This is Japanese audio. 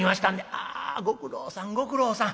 「あご苦労さんご苦労さん。